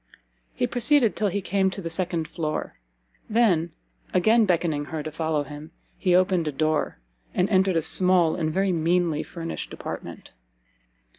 He proceeded till he came to the second floor, then, again beckoning her to follow him, he opened a door, and entered a small and very meanly furnished apartment.